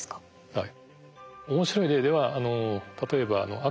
はい。